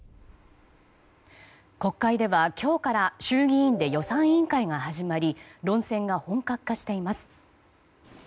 国会では今日から衆議院で予算委員会が始まり論戦が本格化しています。